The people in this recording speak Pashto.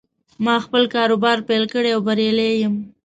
ما خپله کاروبار پیل کړې او بریالی یم